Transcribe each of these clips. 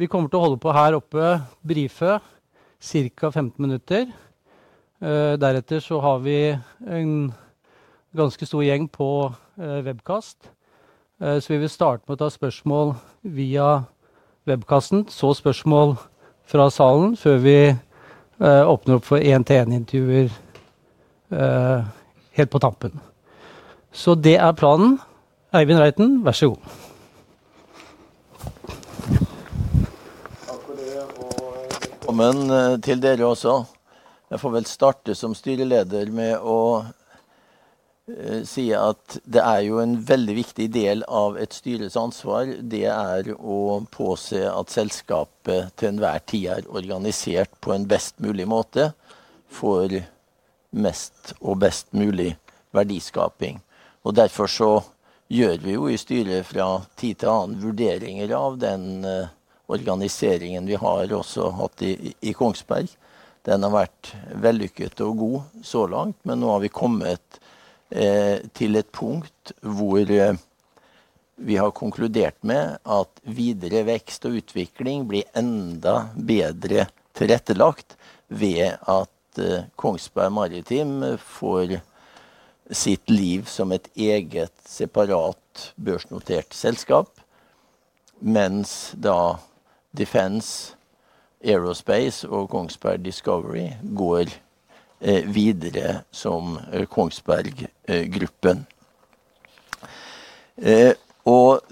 Vi kommer til å holde på her oppe i cirka 15 minutter. Deretter så har vi en ganske stor gjeng på webcast. Så vi vil starte med å ta spørsmål via webcasten, så spørsmål fra salen før vi åpner opp for en-til-en-intervjuer helt på tampen. Så det er planen. Eivind Reiten, vær så snill. Takk for det, og velkommen til dere også. Jeg får vel starte som styreleder med å si at det jo er en veldig viktig del av et styres ansvar. Det å påse at selskapet til enhver tid er organisert på en best mulig måte for mest og best mulig verdiskaping. Og derfor så gjør vi jo i styret fra tid til annen vurderinger av den organiseringen vi har også hatt i Kongsberg. Den har vært vellykket og god så langt, men nå har vi kommet til et punkt hvor vi har konkludert med at videre vekst og utvikling blir enda bedre tilrettelagt ved at Kongsberg Maritim får sitt liv som et eget separat børsnotert selskap, mens da Defence, Aerospace og Kongsberg Discovery går videre som Kongsberg-gruppen.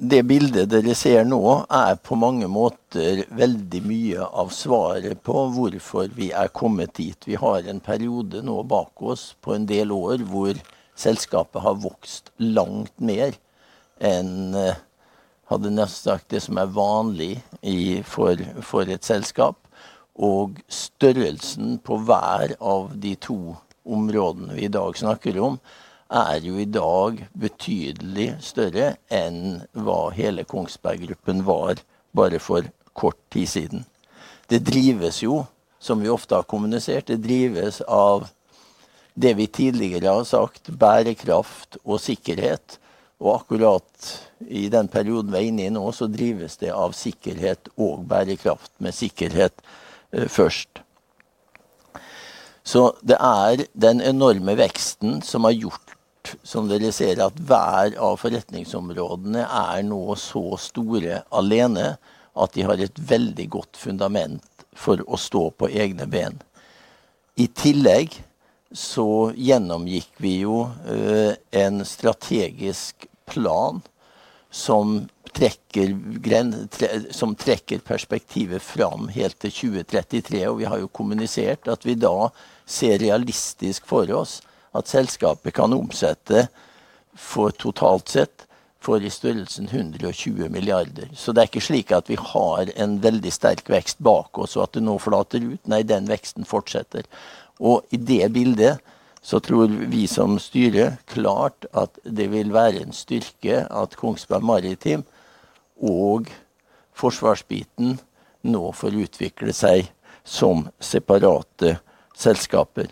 Det bildet dere ser nå er på mange måter veldig mye av svaret på hvorfor vi har kommet dit. Vi har en periode nå bak oss på en del år hvor selskapet har vokst langt mer enn jeg hadde nesten sagt det som er vanlig for et selskap. Og størrelsen på hver av de to områdene vi i dag snakker om er jo i dag betydelig større enn hva hele Kongsberg-gruppen var bare for kort tid siden. Det drives jo, som vi ofte har kommunisert, det av det vi tidligere har sagt, bærekraft og sikkerhet. Og akkurat i den perioden vi er inne i nå, så drives det av sikkerhet og bærekraft, med sikkerhet først. Så det er den enorme veksten som har gjort som dere ser at hver av forretningsområdene nå er så store alene at de har et veldig godt fundament for å stå på egne ben. I tillegg så gjennomgikk vi jo en strategisk plan som trekker perspektivet fram helt til 2033. Og vi har jo kommunisert at vi da ser realistisk for oss at selskapet kan omsette for totalt sett for i størrelsen 120 milliarder. Så det er ikke slik at vi har en veldig sterk vekst bak oss og at det nå flater ut. Nei, den veksten fortsetter. Og i det bildet så tror vi som styret klart at det vil være en styrke at Kongsberg Maritim og forsvarsbiten nå får utvikle seg som separate selskaper.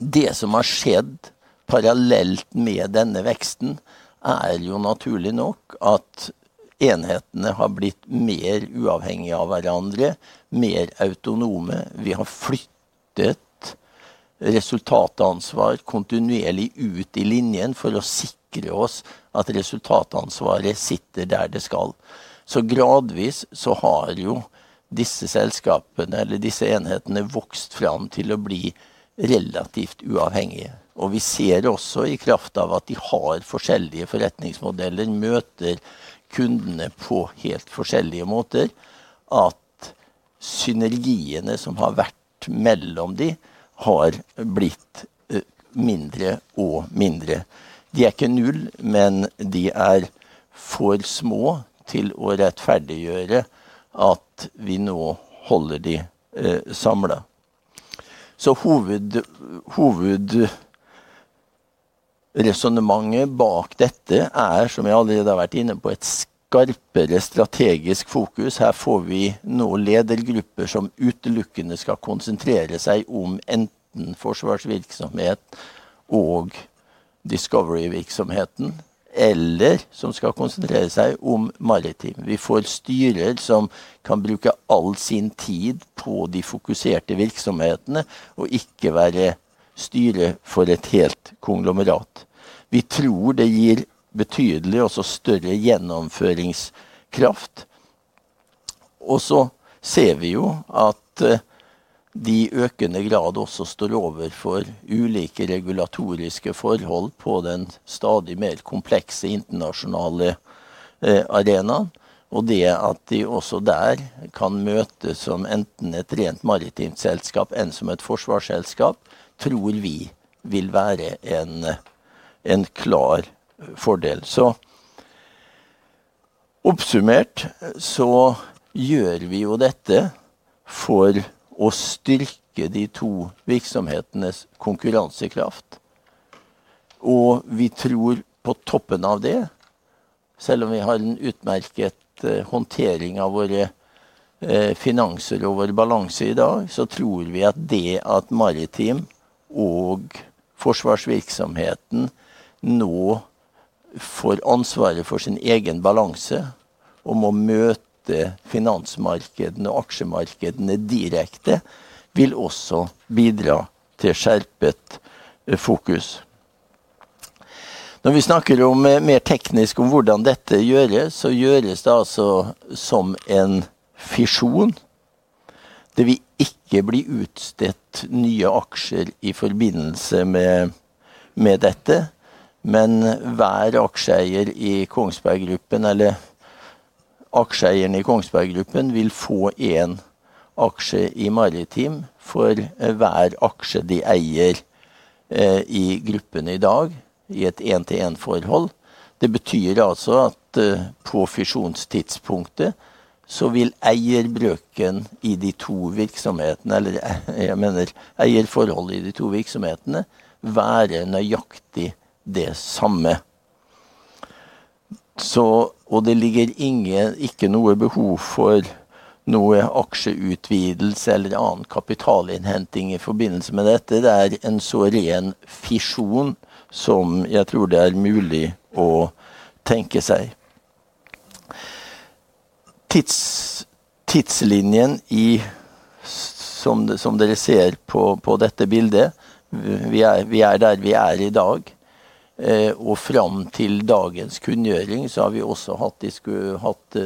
Det som har skjedd parallelt med denne veksten er jo naturlig nok at enhetene har blitt mer uavhengige av hverandre, mer autonome. Vi har flyttet resultatansvar kontinuerlig ut i linjen for å sikre oss at resultatansvaret sitter der det skal. Så gradvis så har jo disse enhetene vokst fram til å bli relativt uavhengige. Og vi ser også i kraft av at de har forskjellige forretningsmodeller, møter kundene på helt forskjellige måter, at synergiene som har vært mellom dem har blitt mindre og mindre. De er ikke null, men de er for små til å rettferdiggjøre at vi nå holder dem samlet. Så hovedresonnementet bak dette som jeg allerede har vært inne på, er et skarpere strategisk fokus. Her får vi nå ledergrupper som utelukkende skal konsentrere seg om enten forsvarsvirksomhet og discovery-virksomheten, eller som skal konsentrere seg om maritim. Vi får styrer som kan bruke all sin tid på de fokuserte virksomhetene og ikke være styret for et helt konglomerat. Vi tror det gir betydelig også større gjennomføringskraft. Og så ser vi jo at de i økende grad også står overfor ulike regulatoriske forhold på den stadig mer komplekse internasjonale arenaen. Og det at de også der kan møtes som enten et rent maritimt selskap eller som et forsvarsselskap, tror vi vil være en klar fordel. Så oppsummert så gjør vi jo dette for å styrke de to virksomhetenes konkurransekraft. Og vi tror på toppen av det, selv om vi har en utmerket håndtering av våre finanser og vår balanse i dag, så tror vi at det at maritim og forsvarsvirksomheten nå får ansvaret for sin egen balanse og må møte finansmarkedene og aksjemarkedene direkte, vil også bidra til skjerpet fokus. Når vi snakker om mer teknisk om hvordan dette gjøres, så gjøres det altså som en fisjon. Det vil ikke bli utstedt nye aksjer i forbindelse med dette, men hver aksjeeier i Kongsberg-gruppen, eller aksjeeierne i Kongsberg-gruppen, vil få en aksje i maritim for hver aksje de eier i gruppen i dag, i et 1-1-forhold. Det betyr altså at på fisjonstidspunktet så vil eierbrøken i de to virksomhetene, eller jeg mener eierforholdet i de to virksomhetene, være nøyaktig det samme. Så det ligger ikke noe behov for noe aksjeutvidelse eller annen kapitalinnhenting i forbindelse med dette. Det er en så ren fisjon som jeg tror det er mulig å tenke seg. Tidslinjen som dere ser på dette bildet, vi er der vi er i dag. Og frem til dagens kunngjøring så har vi også hatt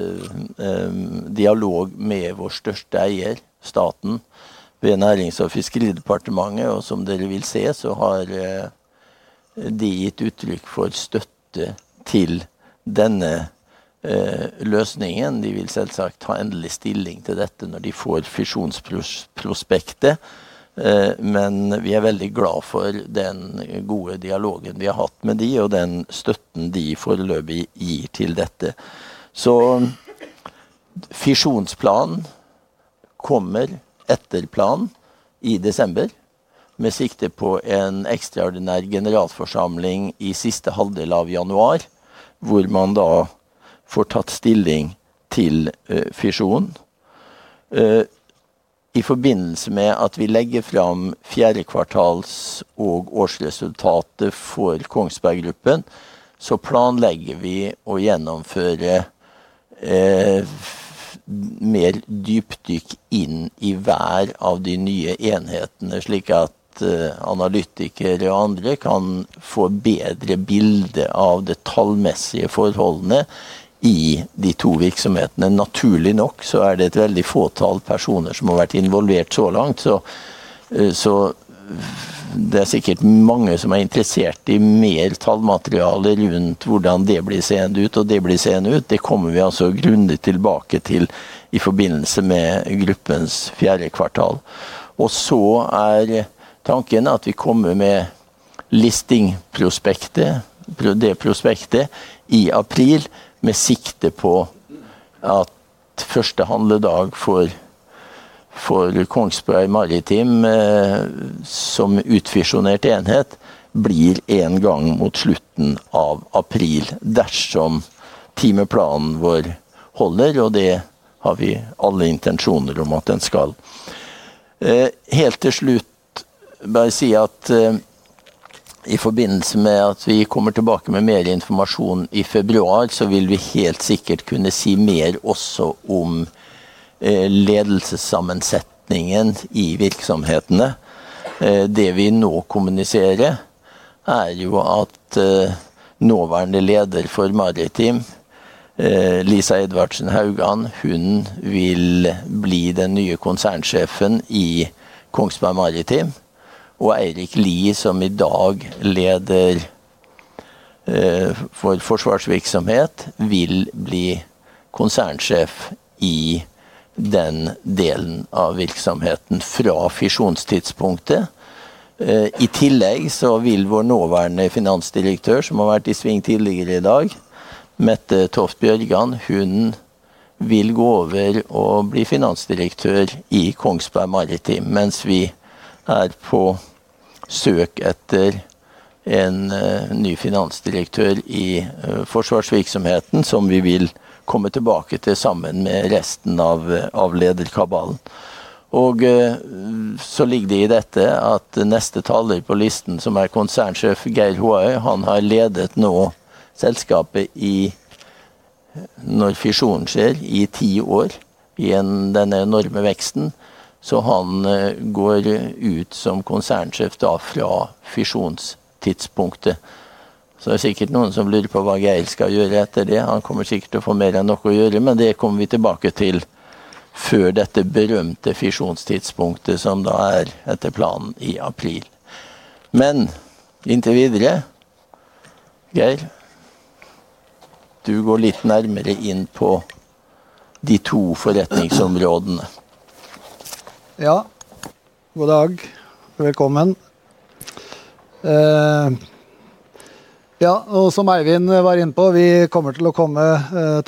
dialog med vår største eier, staten, ved nærings- og fiskeridepartementet. Og som dere vil se, så har de gitt uttrykk for støtte til denne løsningen. De vil selvsagt ha endelig stilling til dette når de får fisjonsprospektet. Men vi er veldig glad for den gode dialogen vi har hatt med dem og den støtten de foreløpig gir til dette. Så fisjonsplanen kommer etter planen i desember, med sikte på en ekstraordinær generalforsamling i siste halvdel av januar, hvor man da får tatt stilling til fisjonen. I forbindelse med at vi legger frem fjerde kvartals- og årsresultatet for Kongsberg-gruppen, så planlegger vi å gjennomføre mer dypdykk inn i hver av de nye enhetene, slik at analytikere og andre kan få bedre bilde av det tallmessige forholdene i de to virksomhetene. Naturlig nok så er det et veldig fåtall personer som har vært involvert så langt, så det er sikkert mange som er interessert i mer tallmateriale rundt hvordan det blir seende ut. Det kommer vi altså tilbake til i forbindelse med gruppens fjerde kvartal. Og så er tanken at vi kommer med listingprospektet i april, med sikte på at første handledag for Kongsberg Maritim som utfisjonert enhet blir en gang mot slutten av april, dersom timeplanen vår holder, og det har vi alle intensjoner om at den skal. Helt til slutt bare si at i forbindelse med at vi kommer tilbake med mer informasjon i februar, så vil vi helt sikkert kunne si mer også om ledelsessammensetningen i virksomhetene. Det vi nå kommuniserer, er jo at nåværende leder for Maritim, Lisa Edvardsen Haugan, hun vil bli den nye konsernsjefen i Kongsberg Maritim. Og Eirik Lie, som i dag er leder for forsvarsvirksomhet, vil bli konsernsjef i den delen av virksomheten fra fisjonstidspunktet. I tillegg vil vår nåværende finansdirektør, som har vært i sving tidligere i dag, Mette Toft Bjørgen, hun vil gå over og bli finansdirektør i Kongsberg Maritim, mens vi er på søk etter en ny finansdirektør i forsvarsvirksomheten, som vi vil komme tilbake til sammen med resten av lederkabalen. Og så ligger det i dette at neste taler på listen, som konsernsjef Geir Håøy, han har ledet nå selskapet i, når fisjonen skjer, i ti år, i denne enorme veksten, så han går ut som konsernsjef da fra fisjonstidspunktet. Så det er sikkert noen som lurer på hva Geir skal gjøre etter det. Han kommer sikkert til å få mer enn nok å gjøre, men det kommer vi tilbake til før dette berømte fisjonstidspunktet, som da etter planen er i april. Men inntil videre, Geir, du går litt nærmere inn på de to forretningsområdene. Ja, god dag, velkommen. Ja, og som Eivind var inne på, vi kommer til å komme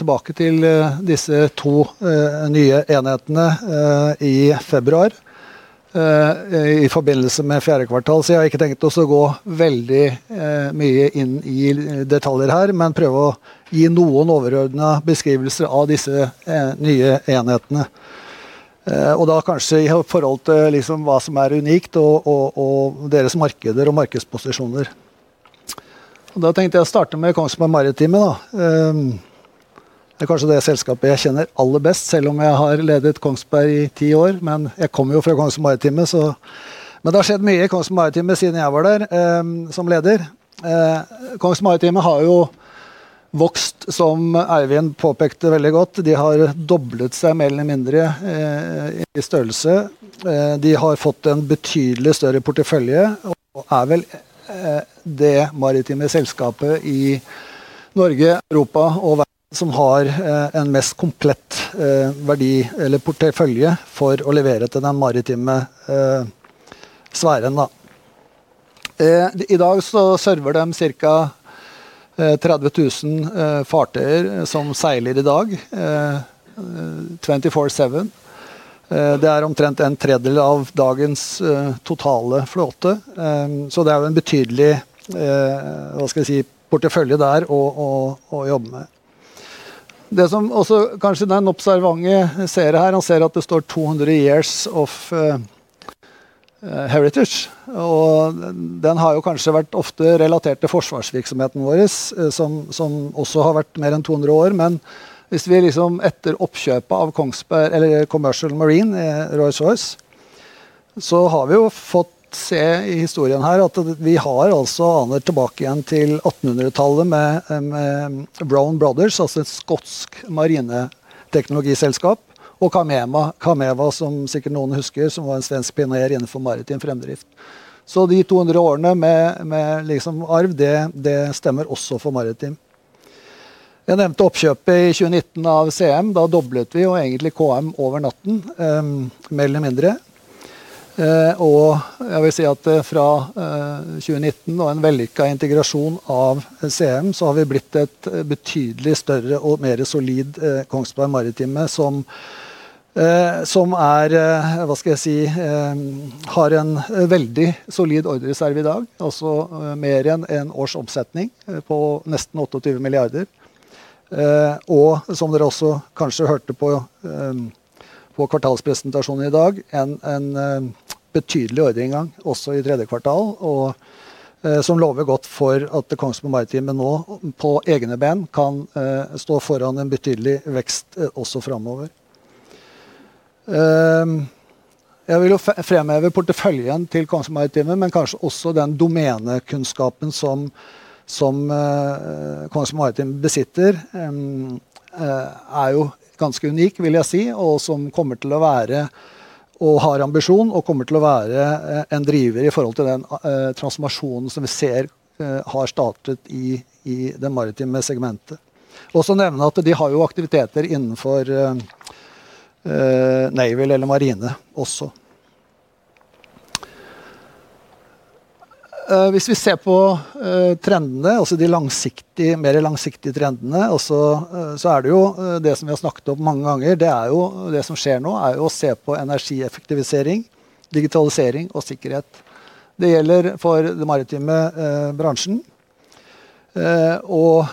tilbake til disse to nye enhetene i februar, i forbindelse med fjerde kvartal, så jeg har ikke tenkt å gå veldig mye inn i detaljer her, men prøve å gi noen overordnede beskrivelser av disse nye enhetene. Og da kanskje i forhold til hva som er unikt og deres markeder og markedsposisjoner. Da tenkte jeg å starte med Kongsberg Maritime. Det er kanskje det selskapet jeg kjenner aller best, selv om jeg har ledet Kongsberg i ti år, men jeg kommer jo fra Kongsberg Maritime. Men det har skjedd mye i Kongsberg Maritime siden jeg var der som leder. Kongsberg Maritime har jo vokst, som Eivind påpekte, veldig godt. De har doblet seg mer eller mindre i størrelse. De har fått en betydelig større portefølje, og er vel det maritime selskapet i Norge, Europa og verden som har en mest komplett verdi eller portefølje for å levere til den maritime sfæren. I dag så serverer de ca. 30,000 fartøyer som seiler i dag, 24-7. Det er omtrent en tredjedel av dagens totale flåte. Så det er jo en betydelig, hva skal jeg si, portefølje der å jobbe med. Det som også kanskje den observante ser her, er at det står 200 years of heritage. Og den har jo kanskje vært ofte relatert til forsvarsvirksomheten vår, som også har vært mer enn 200 år. Men hvis vi etter oppkjøpet av Kongsberg eller Commercial Marine i Rolls Royce, så har vi jo fått se i historien her at vi har altså annet tilbake igjen til 1800-tallet med Brown Brothers, altså et skotsk marineteknologiselskap. Og Kameva, som sikkert noen husker, som var en svensk pioner innenfor maritim fremdrift. Så de 200 årene med arv, det stemmer også for maritim. Jeg nevnte oppkjøpet i 2019 av CM. Da doblet vi jo egentlig KM over natten, mer eller mindre. Og jeg vil si at fra 2019 og en vellykket integrasjon av CM, så har vi blitt et betydelig større og mer solid Kongsberg Maritime, som har en veldig solid ordreserv i dag. Altså mer enn en års omsetning på nesten 28 milliarder. Og som dere også kanskje hørte på kvartalspresentasjonen i dag, en betydelig ordreinngang også i tredje kvartal, og som lover godt for at Kongsberg Maritime nå på egne ben kan stå foran en betydelig vekst også fremover. Jeg vil jo fremheve porteføljen til Kongsberg Maritime, men kanskje også den domenekunnskapen som Kongsberg Maritime besitter, er ganske unik, vil jeg si, og som kommer til å være, og har ambisjon, og kommer til å være en driver i forhold til den transformasjonen som vi ser har startet i det maritime segmentet. Også nevner jeg at de har jo aktiviteter innenfor naval eller marine også. Hvis vi ser på trendene, altså de mer langsiktige trendene, så er det jo det som vi har snakket om mange ganger, det er jo det som skjer nå, å se på energieffektivisering, digitalisering og sikkerhet. Det gjelder for det maritime bransjen. Og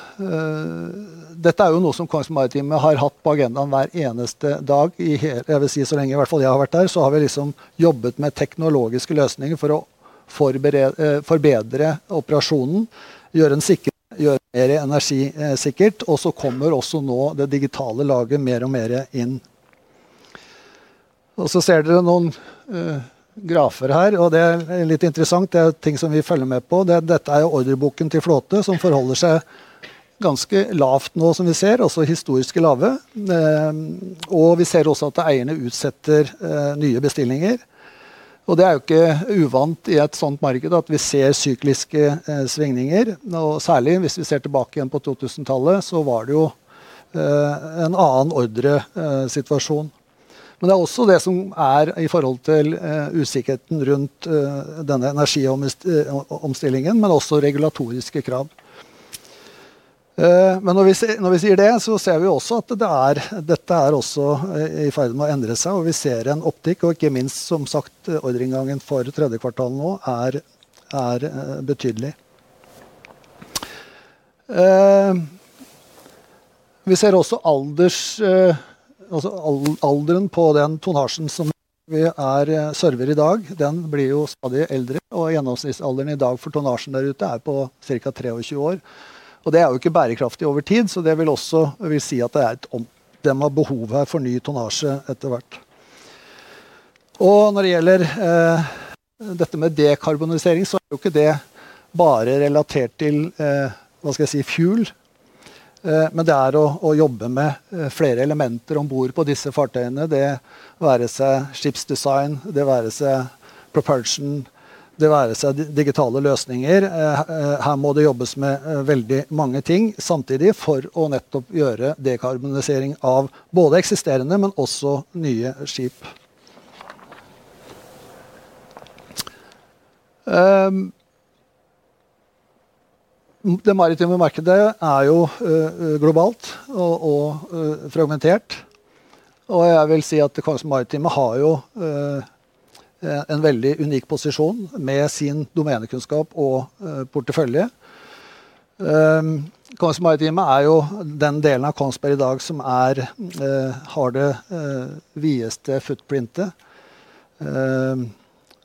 dette er jo noe som Kongsberg Maritime har hatt på agendaen hver eneste dag, i hele jeg vil si så lenge i hvert fall jeg har vært der, så har vi jobbet med teknologiske løsninger for å forbedre operasjonen, gjøre den mer energisikkert, og så kommer også nå det digitale laget mer og mer inn. Og så ser dere noen grafer her, og det er litt interessant, det er ting som vi følger med på. Dette er jo ordreboken til flåte som forholder seg ganske lavt nå som vi ser, altså historisk lave. Og vi ser også at eierne utsetter nye bestillinger. Og det er jo ikke uvant i et sånt marked at vi ser sykliske svingninger. Og særlig hvis vi ser tilbake igjen på 2000-tallet, så var det jo en annen ordre-situasjon. Men det er også det som i forhold til usikkerheten rundt denne energiomstillingen, men også regulatoriske krav. Men når vi sier det, så ser vi jo også at dette er også i ferd med å endre seg, og vi ser en optikk, og ikke minst som sagt ordreinngang for tredje kvartal nå betydelig. Vi ser også alderen på den tonnasjen som vi serverer i dag, den blir jo stadig eldre, og gjennomsnittsalderen i dag for tonnasjen der ute er på ca. 23 år. Og det er jo ikke bærekraftig over tid, så det vil også si at det er et omdømme av behovet for ny tonnasje etter hvert. Og når det gjelder dette med dekarbonisering, så er jo ikke det bare relatert til fuel. Men det å jobbe med flere elementer om bord på disse fartøyene, det å være seg skipsdesign, det å være seg propulsion, det å være seg digitale løsninger. Her må det jobbes med veldig mange ting samtidig for å nettopp gjøre dekarbonisering av både eksisterende, men også nye skip. Det maritime markedet er jo globalt og fragmentert, og jeg vil si at Kongsberg Maritime har jo en veldig unik posisjon med sin domenekunnskap og portefølje. Kongsberg Maritime er jo den delen av Kongsberg i dag som har det videste footprintet.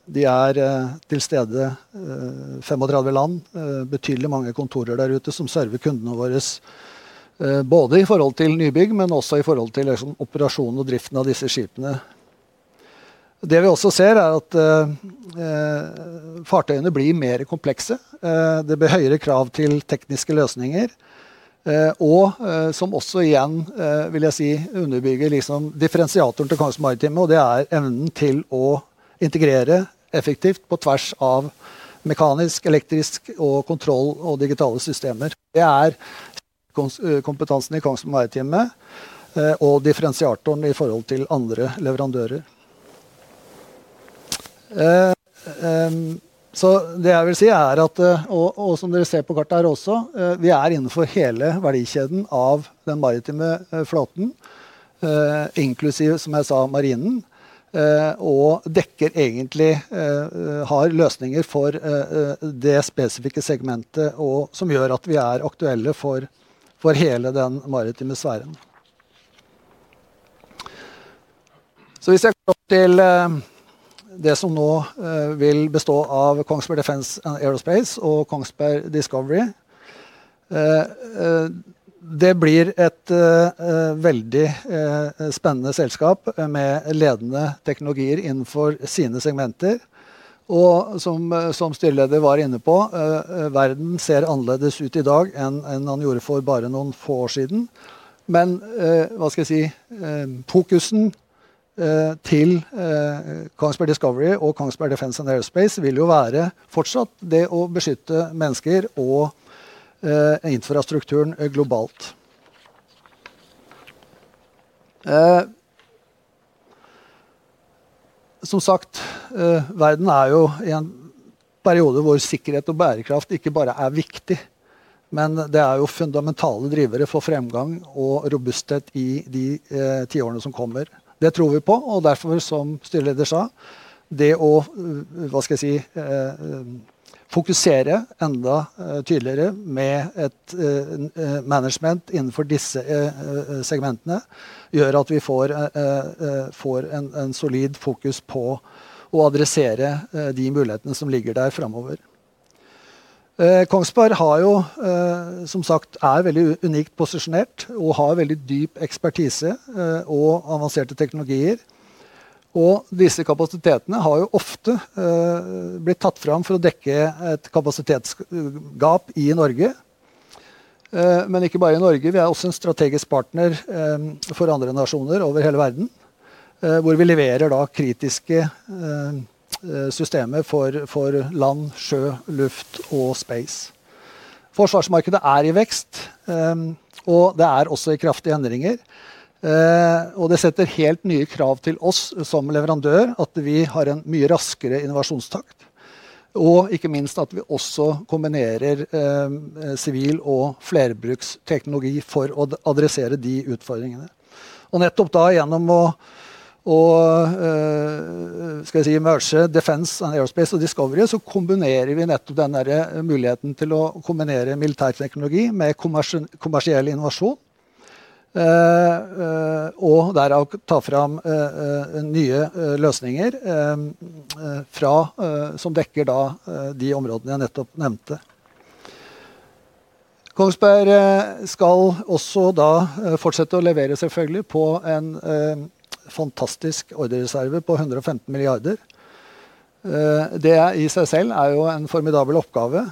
De er til stede i 35 land, betydelig mange kontorer der ute som serverer kundene våre, både i forhold til nybygg, men også i forhold til operasjonen og driften av disse skipene. Det vi også ser er at fartøyene blir mer komplekse. Det blir høyere krav til tekniske løsninger, og som også igjen vil jeg si underbygger differensiatoren til Kongsberg Maritime, og det er evnen til å integrere effektivt på tvers av mekanisk, elektrisk, og kontroll og digitale systemer. Det er kompetansen i Kongsberg Maritime og differensiatoren i forhold til andre leverandører. Så det jeg vil si at, og som dere ser på kartet her også, vi er innenfor hele verdikjeden av den maritime flåten, inklusiv som jeg sa marinen, og egentlig har løsninger for det spesifikke segmentet som gjør at vi er aktuelle for hele den maritime sfæren. Så hvis jeg går til det som nå vil bestå av Kongsberg Defence and Aerospace og Kongsberg Discovery, det blir et veldig spennende selskap med ledende teknologier innenfor sine segmenter. Og som styreleder var inne på, verden ser annerledes ut i dag enn den gjorde for bare noen få år siden. Men fokusen til Kongsberg Discovery og Kongsberg Defence and Aerospace vil jo være fortsatt det å beskytte mennesker og infrastrukturen globalt. Som sagt, verden er jo i en periode hvor sikkerhet og bærekraft ikke bare er viktig, men det er jo fundamentale drivere for fremgang og robusthet i de tiårene som kommer. Det tror vi på, og derfor, som styreleder sa, det å fokusere enda tydeligere med et management innenfor disse segmentene, gjør at vi får en solid fokus på å adressere de mulighetene som ligger der fremover. Kongsberg har jo, som sagt, veldig unikt posisjonert og har veldig dyp ekspertise og avanserte teknologier. Disse kapasitetene har jo ofte blitt tatt frem for å dekke et kapasitetsgap i Norge. Men ikke bare i Norge, vi er også en strategisk partner for andre nasjoner over hele verden, hvor vi leverer da kritiske systemer for land, sjø, luft og space. Forsvarsmarkedet er i vekst, og det er også i kraftige endringer. Det setter helt nye krav til oss som leverandør, at vi har en mye raskere innovasjonstakt, og ikke minst at vi også kombinerer sivil og flerbruksteknologi for å adressere de utfordringene. Og nettopp da gjennom å merge defense, aerospace og discovery, så kombinerer vi nettopp denne muligheten til å kombinere militærteknologi med kommersiell innovasjon, og derav ta frem nye løsninger som dekker da de områdene jeg nettopp nevnte. Kongsberg skal også da fortsette å levere selvfølgelig på en fantastisk ordreserve på 115 milliarder. Det er i seg selv en formidabel oppgave,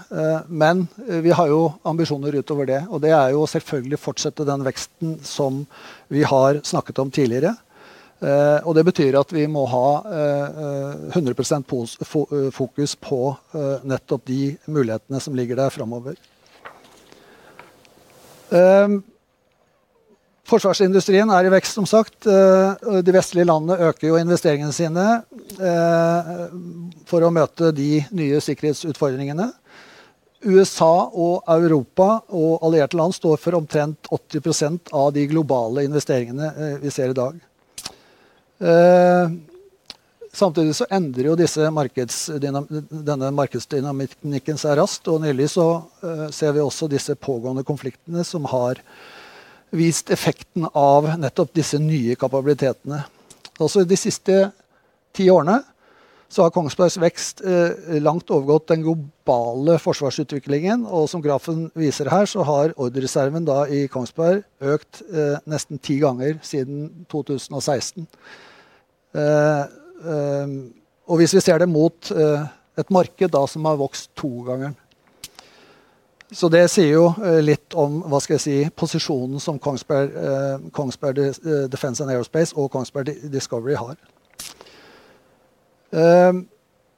men vi har jo ambisjoner utover det, og det er jo selvfølgelig å fortsette den veksten som vi har snakket om tidligere. Det betyr at vi må ha 100% fokus på nettopp de mulighetene som ligger der fremover. Forsvarsindustrien er i vekst som sagt. De vestlige landene øker jo investeringene sine for å møte de nye sikkerhetsutfordringene. USA og Europa og allierte land står for omtrent 80% av de globale investeringene vi ser i dag. Samtidig så endrer jo denne markedsdynamikken seg raskt. Og nylig så ser vi også disse pågående konfliktene som har vist effekten av nettopp disse nye kapabilitetene. Altså, de siste ti årene så har Kongsbergs vekst langt overgått den globale forsvarsutviklingen. Og som grafen viser her, så har ordreserven i Kongsberg økt nesten ti ganger siden 2016. Og hvis vi ser det mot et marked som har vokst to ganger. Så det sier jo litt om posisjonen som Kongsberg Defence and Aerospace og Kongsberg Discovery har.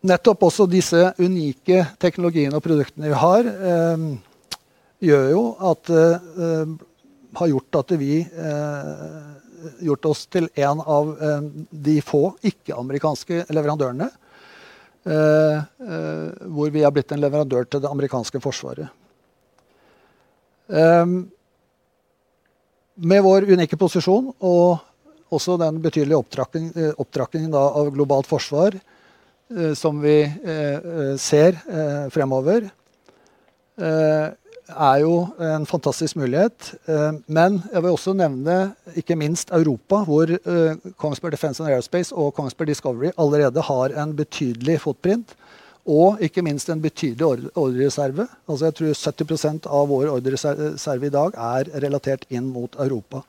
Nettopp også disse unike teknologiene og produktene vi har, gjør jo at det har gjort at vi har gjort oss til en av de få ikke-amerikanske leverandørene, hvor vi har blitt en leverandør til det amerikanske forsvaret. Med vår unike posisjon og også den betydelige opptrappingen av globalt forsvar, som vi ser fremover, er jo en fantastisk mulighet. Men jeg vil også nevne ikke minst Europa, hvor Kongsberg Defence and Aerospace og Kongsberg Discovery allerede har en betydelig footprint, og ikke minst en betydelig ordreserve. Altså, jeg tror 70% av vår ordreserve i dag er relatert inn mot Europa.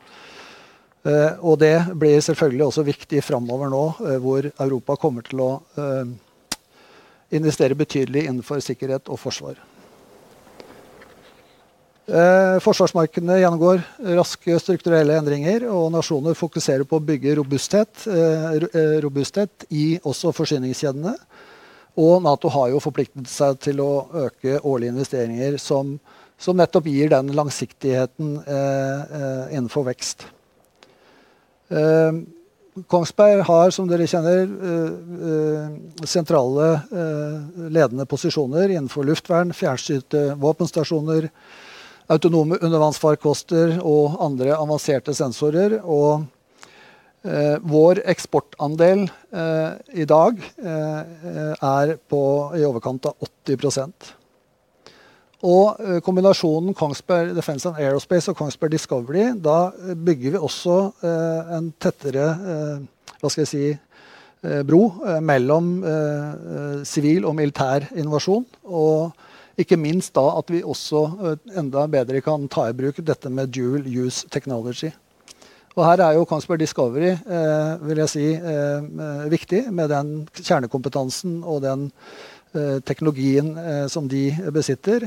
Og det blir selvfølgelig også viktig fremover nå, hvor Europa kommer til å investere betydelig innenfor sikkerhet og forsvar. Forsvarsmarkedene gjennomgår raske strukturelle endringer, og nasjoner fokuserer på å bygge robusthet i også forsyningskjedene. Og NATO har jo forpliktet seg til å øke årlige investeringer, som nettopp gir den langsiktigheten innenfor vekst. Kongsberg har, som dere kjenner, sentrale ledende posisjoner innenfor luftvern, fjærskytte, våpenstasjoner, autonome undervannsfarkoster og andre avanserte sensorer. Og vår eksportandel i dag er på i overkant av 80%. Og kombinasjonen Kongsberg Defence and Aerospace og Kongsberg Discovery, da bygger vi også en tettere bro mellom sivil og militær innovasjon. Og ikke minst da at vi også enda bedre kan ta i bruk dette med dual-use technology. Og her er jo Kongsberg Discovery, vil jeg si, viktig med den kjernekompetansen og den teknologien som de besitter,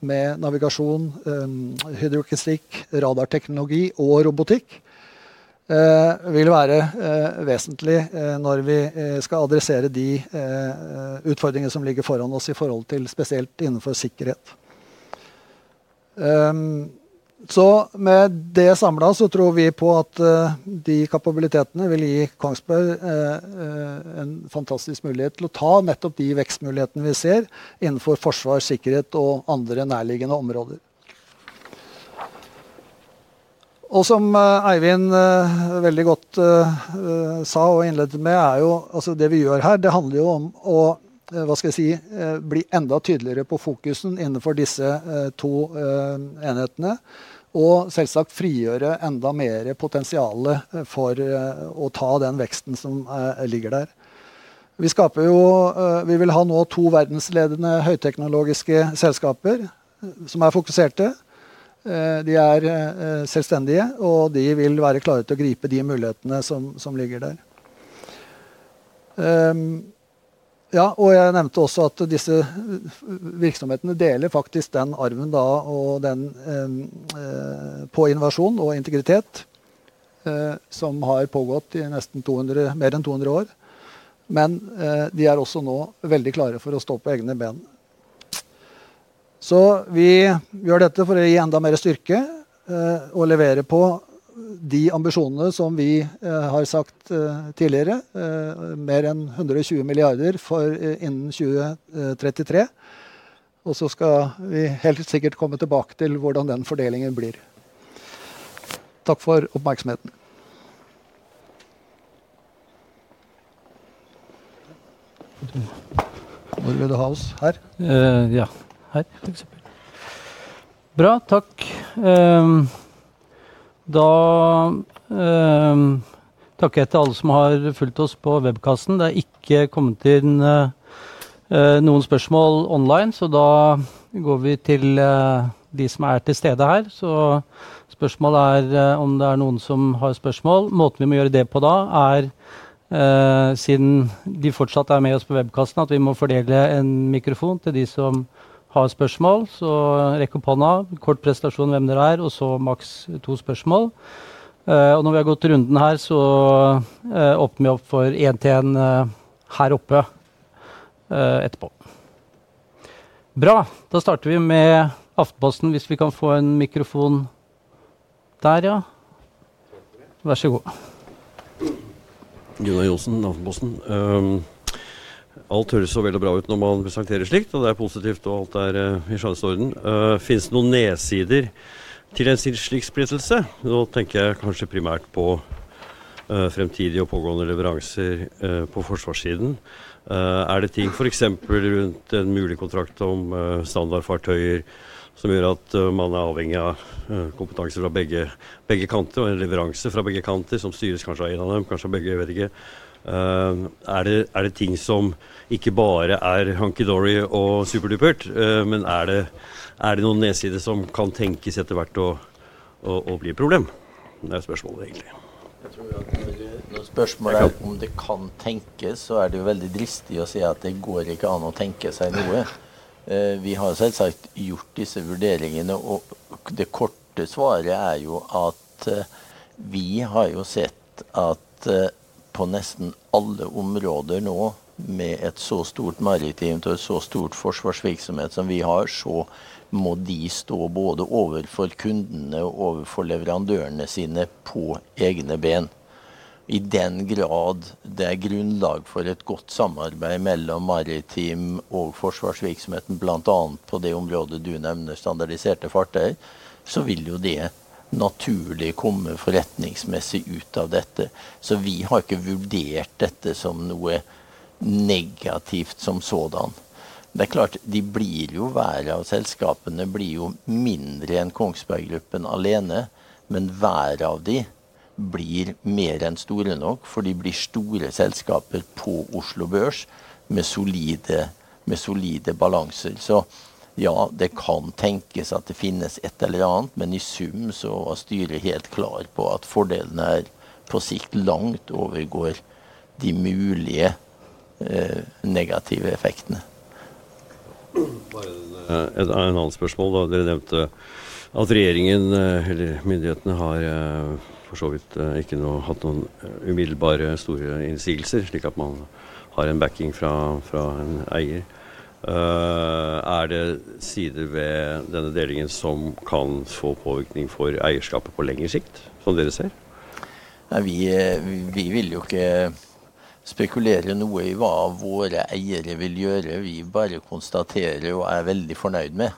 med navigasjon, hydroakustikk, radarteknologi og robotikk. Det vil være vesentlig når vi skal adressere de utfordringene som ligger foran oss i forhold til spesielt innenfor sikkerhet. Så med det samlet, så tror vi på at de kapabilitetene vil gi Kongsberg en fantastisk mulighet til å ta nettopp de vekstmulighetene vi ser innenfor forsvar, sikkerhet og andre nærliggende områder. Og som Eivind veldig godt sa og innledet med, er jo altså det vi gjør her, det handler jo om å bli enda tydeligere på fokusen innenfor disse to enhetene, og selvsagt frigjøre enda mer potensiale for å ta den veksten som ligger der. Vi vil ha nå to verdensledende høyteknologiske selskaper som er fokuserte. De er selvstendige, og de vil være klare til å gripe de mulighetene som ligger der. Ja, og jeg nevnte også at disse virksomhetene deler faktisk den arven da og den på innovasjon og integritet som har pågått i nesten mer enn 200 år. Men de er også nå veldig klare for å stå på egne ben. Så vi gjør dette for å gi enda mer styrke og levere på de ambisjonene som vi har sagt tidligere, mer enn 120 milliarder innen 2033. Og så skal vi helt sikkert komme tilbake til hvordan den fordelingen blir. Takk for oppmerksomheten. Nå vil du ha oss her? Ja, her for eksempel. Bra, takk. Da takker jeg til alle som har fulgt oss på webcasten. Det har ikke kommet inn noen spørsmål online, så da går vi til de som er til stede her. Så spørsmålet er om det er noen som har spørsmål. Måten vi må gjøre det på da, siden de fortsatt er med oss på webcasten, er at vi må fordele en mikrofon til de som har spørsmål. Så rekk opp hånda, kort presentasjon av hvem dere er og så maks to spørsmål. Når vi har gått runden her, så åpner vi opp for en til en her oppe etterpå. Bra, da starter vi med Aftenposten. Hvis vi kan få en mikrofon der, ja. Vær så snill. Gunnar Johsen, Aftenposten. Alt høres så veldig bra ut når man presenterer slikt, og det positivt, og alt i skjønneste orden. Finnes det noen nedsider til en slik splittelse? Nå tenker jeg kanskje primært på fremtidige og pågående leveranser på forsvarssiden. Er det ting for eksempel rundt en mulig kontrakt om standardfartøyer, som gjør at man er avhengig av kompetanse fra begge kanter, og en leveranse fra begge kanter, som styres kanskje av en av dem, kanskje av begge i verden? Er det ting som ikke bare er hunky-dory og superdupert, men er det noen nedsider som kan tenkes etter hvert å bli et problem? Det er spørsmålet egentlig. Jeg tror at når spørsmålet om det kan tenkes, så er det jo veldig dristig å si at det går ikke an å tenke seg noe. Vi har selvsagt gjort disse vurderingene, og det korte svaret er jo at vi har jo sett at på nesten alle områder nå, med et så stort maritimt og et så stort forsvarsvirksomhet som vi har, så må de stå både overfor kundene og overfor leverandørene sine på egne ben. I den grad det er grunnlag for et godt samarbeid mellom maritim og forsvarsvirksomheten, blant annet på det området du nevner, standardiserte fartøy, så vil jo det naturlig komme forretningsmessig ut av dette. Så vi har ikke vurdert dette som noe negativt som sådan. Det er klart, de blir jo hver av selskapene, blir jo mindre enn Kongsberggruppen alene, men hver av dem blir mer enn store nok, for de blir store selskaper på Oslo Børs med solide balanser. Så ja, det kan tenkes at det finnes et eller annet, men i sum så var styret helt klar på at fordelene her på sikt langt overgår de mulige negative effektene. Bare et annet spørsmål. Dere nevnte at regjeringen eller myndighetene har for så vidt ikke hatt noen umiddelbare store innsigelser, slik at man har en backing fra en eier. Er det sider ved denne delingen som kan få påvirkning for eierskapet på lengre sikt, som dere ser? Vi vil jo ikke spekulere noe i hva våre eiere vil gjøre. Vi bare konstaterer og er veldig fornøyd med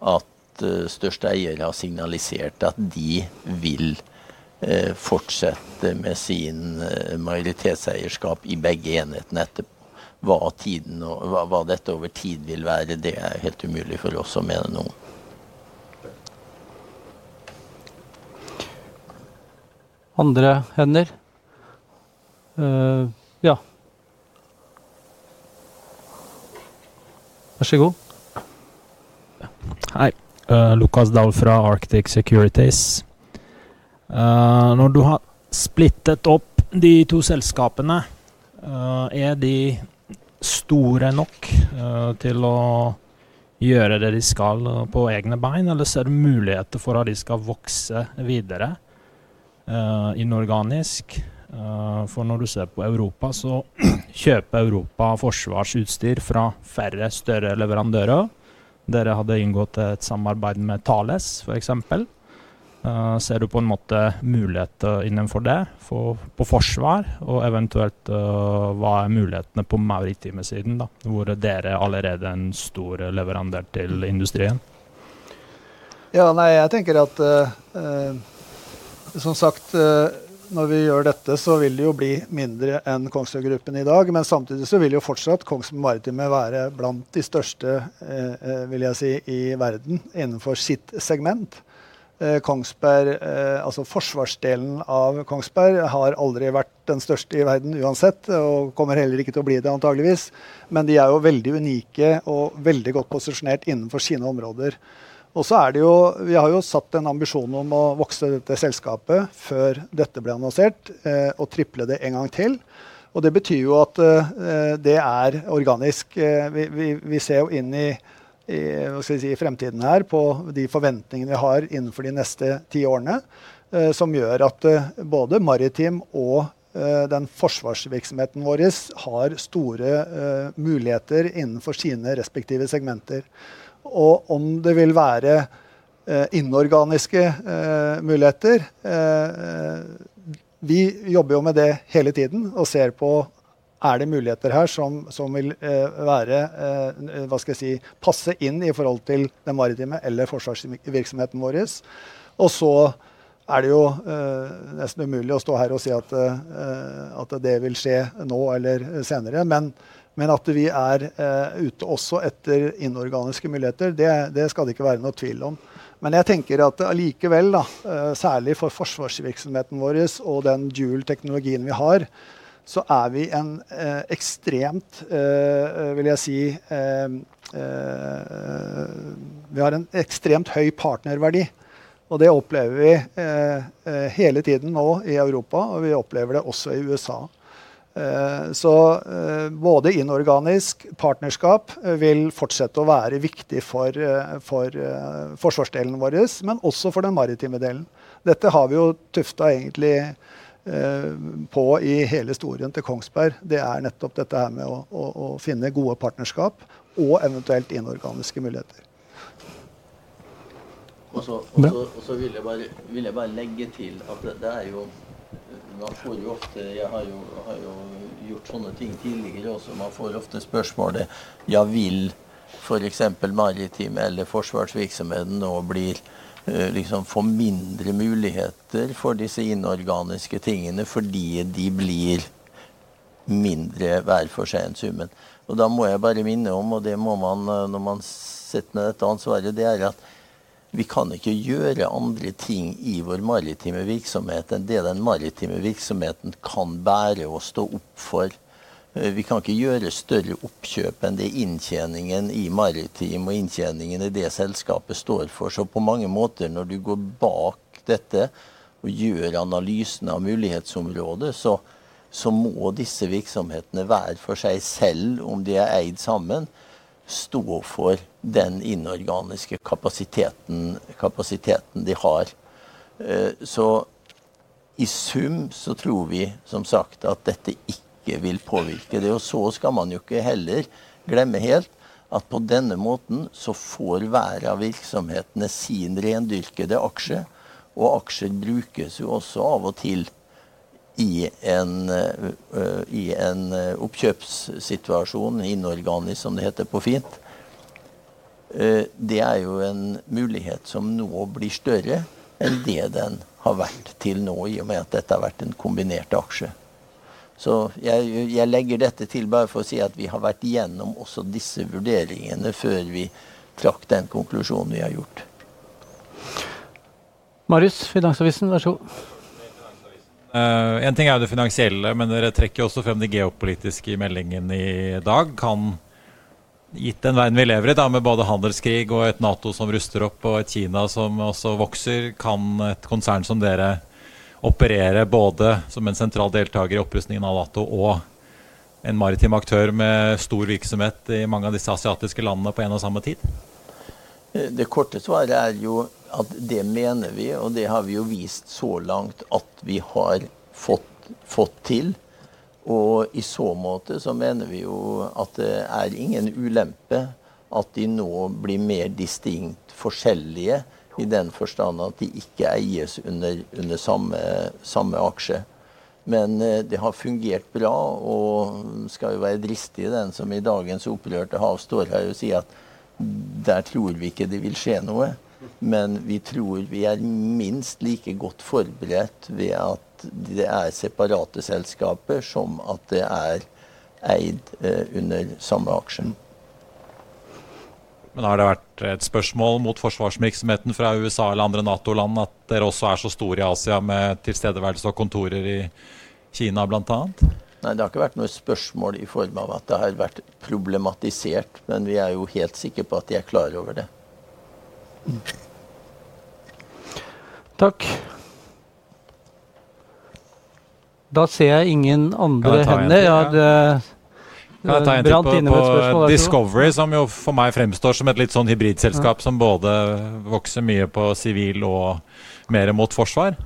at største eiere har signalisert at de vil fortsette med sin majoritetseierskap i begge enhetene etterpå. Hva tiden og hva dette over tid vil være, det er helt umulig for oss å mene noe om. Andre hender? Ja. Vær så snill. Hei, Lukas Dahl fra Arctic Securities. Når du har splittet opp de to selskapene, er de store nok til å gjøre det de skal på egne bein, eller ser du muligheter for at de skal vokse videre inorganisk? For når du ser på Europa, så kjøper Europa forsvarsutstyr fra færre større leverandører. Dere hadde inngått et samarbeid med Thales, for eksempel. Ser du på en måte muligheter innenfor det, på forsvar, og eventuelt hva er mulighetene på maritime siden, hvor dere allerede er en stor leverandør til industrien? Ja, nei, jeg tenker at som sagt, når vi gjør dette, så vil det jo bli mindre enn Kongsberggruppen i dag, men samtidig så vil jo fortsatt Kongsberg Maritime være blant de største, vil jeg si, i verden innenfor sitt segment. Kongsberg, altså forsvarsdelen av Kongsberg, har aldri vært den største i verden uansett, og kommer heller ikke til å bli det antageligvis, men de er jo veldig unike og veldig godt posisjonert innenfor sine områder. Og så er det jo, vi har jo satt en ambisjon om å vokse dette selskapet før dette ble annonsert, og triple det en gang til. Og det betyr jo at det er organisk. Vi ser jo inn i, hva skal jeg si, i fremtiden her, på de forventningene vi har innenfor de neste ti årene, som gjør at både maritim og den forsvarsvirksomheten vår har store muligheter innenfor sine respektive segmenter. Og om det vil være inorganiske muligheter, vi jobber jo med det hele tiden, og ser på om det er muligheter her som vil være, hva skal jeg si, passe inn i forhold til den maritime eller forsvarsvirksomheten vår. Og så er det jo nesten umulig å stå her og si at det vil skje nå eller senere, men at vi er ute også etter inorganiske muligheter, det skal det ikke være noen tvil om. Men jeg tenker at likevel, særlig for forsvarsvirksomheten vår og den dual-teknologien vi har, så er vi en ekstremt, vil jeg si, vi har en ekstremt høy partnerverdi. Og det opplever vi hele tiden nå i Europa, og vi opplever det også i USA. Så både inorganisk og partnerskap vil fortsette å være viktig for forsvarsdelen vår, men også for den maritime delen. Dette har vi jo tuftet egentlig på i hele historien til Kongsberg. Det er nettopp dette her med å finne gode partnerskap og eventuelt inorganiske muligheter. Og så vil jeg bare legge til at det jo, man får jo ofte, jeg har jo gjort sånne ting tidligere også, man får ofte spørsmålet, ja, vil for eksempel maritime eller forsvarsvirksomheten nå bli få mindre muligheter for disse inorganiske tingene, fordi de blir mindre hver for seg en sum? Og da må jeg bare minne om, og det må man, når man setter ned dette ansvaret, det at vi kan ikke gjøre andre ting i vår maritime virksomhet enn det den maritime virksomheten kan bære og stå opp for. Vi kan ikke gjøre større oppkjøp enn det inntjeningen i maritime og inntjeningen i det selskapet står for. På mange måter, når du går bak dette og gjør analysen av mulighetsområdet, så må disse virksomhetene hver for seg selv, om de eid sammen, stå for den inorganiske kapasiteten de har. I sum så tror vi, som sagt, at dette ikke vil påvirke det. Man skal jo ikke heller glemme helt at på denne måten så får hver av virksomhetene sin rendyrkede aksje, og aksjer brukes jo også av og til i en oppkjøpssituasjon, inorganisk som det heter på fint. Det jo en mulighet som nå blir større enn det den har vært til nå, i og med at dette har vært en kombinert aksje. Jeg legger dette til bare for å si at vi har vært gjennom også disse vurderingene før vi trakk den konklusjonen vi har gjort. Marius, Finansavisen, vær så snill. En ting jo det finansielle, men dere trekker jo også frem de geopolitiske meldingene i dag. Kan gitt den verden vi lever i, med både handelskrig og et NATO som ruster opp, og et Kina som også vokser, kan et konsern som dere operere både som en sentral deltaker i opprustningen av NATO og en maritim aktør med stor virksomhet i mange av disse asiatiske landene på en og samme tid? Det korte svaret jo at det mener vi, og det har vi jo vist så langt at vi har fått til. Og i så måte så mener vi jo at det ingen ulempe at de nå blir mer distinkt forskjellige i den forstand at de ikke eies under samme aksje. Men det har fungert bra, og skal jo være dristig i den som i dagens opprørte hav står her og sier at der tror vi ikke det vil skje noe. Men vi tror vi minst like godt forberedt ved at det separate selskaper som at det eid under samme aksje. Men har det vært et spørsmål mot forsvarsvirksomheten fra USA eller andre NATO-land at dere også så store i Asia med tilstedeværelse og kontorer i Kina blant annet? Nei, det har ikke vært noe spørsmål i form av at det har vært problematisert, men vi er jo helt sikre på at de er klare over det. Takk. Da ser jeg ingen andre hender. Jeg har et spørsmål fra Discovery som jo for meg fremstår som et litt sånn hybridselskap som både vokser mye på sivil og mer mot forsvar.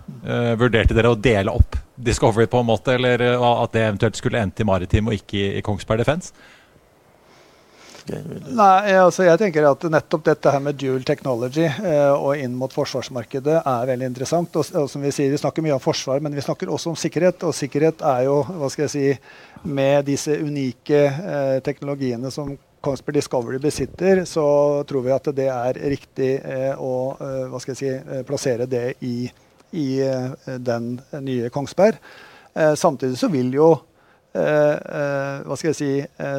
Vurderte dere å dele opp Discovery på en måte, eller at det eventuelt skulle endt i Maritim og ikke i Kongsberg Defence? Nei, altså jeg tenker at nettopp dette her med dual technology og inn mot forsvarsmarkedet er veldig interessant. Og som vi sier, vi snakker mye om forsvar, men vi snakker også om sikkerhet. Og sikkerhet, med disse unike teknologiene som Kongsberg Discovery besitter, så tror vi at det er riktig å plassere det i den nye Kongsberg. Samtidig så vil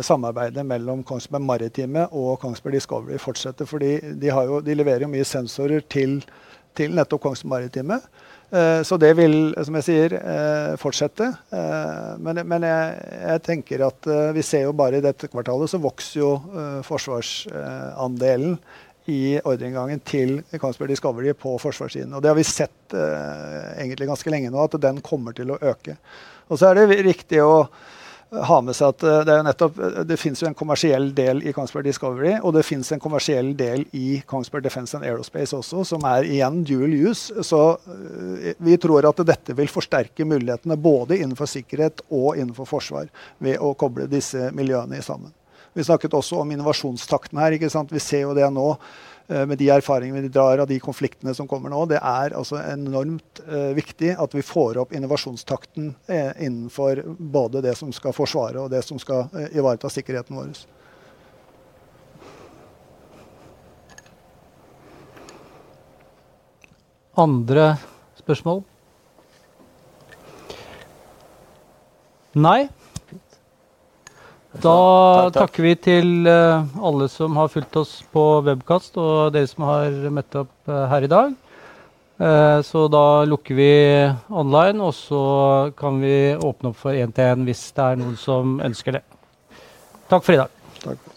samarbeidet mellom Kongsberg Maritime og Kongsberg Discovery fortsette, fordi de leverer jo mye sensorer til nettopp Kongsberg Maritime. Så det vil, som jeg sier, fortsette. Men jeg tenker at vi ser jo bare i dette kvartalet, så vokser jo forsvarsandelen i ordringangen til Kongsberg Discovery på forsvarssiden. Og det har vi sett egentlig ganske lenge nå, at den kommer til å øke. Og så er det riktig å ha med seg at det finnes jo en kommersiell del i Kongsberg Discovery, og det finnes en kommersiell del i Kongsberg Defence and Aerospace også, som igjen er dual use. Så vi tror at dette vil forsterke mulighetene både innenfor sikkerhet og innenfor forsvar ved å koble disse miljøene sammen. Vi snakket også om innovasjonstakten her, ikke sant? Vi ser jo det nå med de erfaringene vi drar av de konfliktene som kommer nå. Det er enormt viktig at vi får opp innovasjonstakten innenfor både det som skal forsvare og det som skal ivareta sikkerheten vår. Andre spørsmål? Nei. Da takker vi til alle som har fulgt oss på webcast og dere som har møtt opp her i dag. Så da lukker vi online, og så kan vi åpne opp for en til en hvis det er noen som ønsker det. Takk for i dag. Takk.